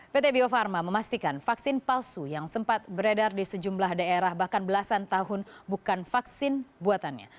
pt bio farma memastikan vaksin palsu yang sempat beredar di sejumlah daerah bahkan belasan tahun bukan vaksin buatannya